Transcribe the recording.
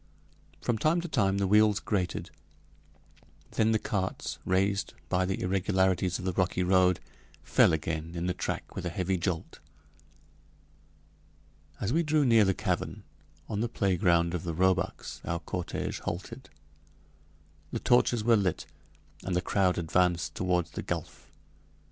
From time to time the wheels grated. Then the carts, raised by the irregularities of the rocky road, fell again in the track with a heavy jolt. As we drew near the cavern, on the playground of the roebucks, our cortége halted. The torches were lit, and the crowd advanced toward the gulf.